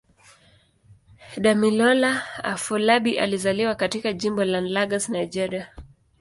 Damilola Afolabi alizaliwa katika Jimbo la Lagos, Nigeria.